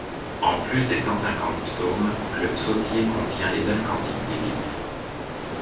En plus des cent-cinquante psaumes, le psautier contient les neuf cantiques bibliques.